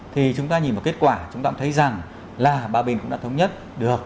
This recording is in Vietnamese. thì chúng ta nhìn vào kết quả chúng ta cũng thấy rằng là ba bên cũng đã thống nhất được